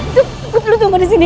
tuh lu tunggu disini